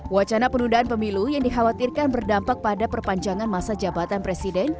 wacana penundaan pemilu yang dikhawatirkan berdampak pada perpanjangan masa jabatan presiden